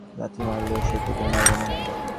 লাথি মারলেও সে তোমাদের মারবে না।